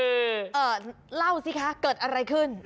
เออเล่าสิคะเกิดอะไรขึ้น